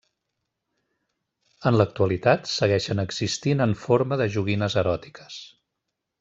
En l'actualitat segueixen existint en forma de joguines eròtiques.